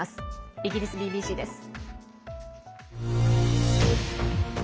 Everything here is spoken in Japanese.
イギリスＢＢＣです。